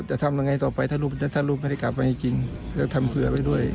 จะทำยังไงต่อไปถ้าลูกไม่ได้กลับมาจริงก็ทำเผื่อไว้ด้วย